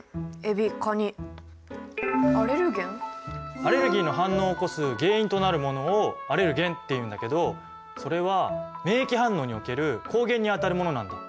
アレルギーの反応を起こす原因となるものをアレルゲンっていうんだけどそれは免疫反応における抗原にあたるものなんだ。